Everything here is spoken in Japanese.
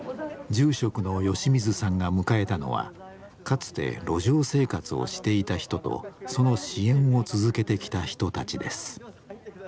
住職の吉水さんが迎えたのはかつて路上生活をしていた人とその支援を続けてきた人たちです。